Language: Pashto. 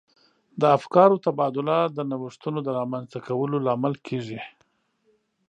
د افکارو تبادله د نوښتونو د رامنځته کولو لامل کیږي.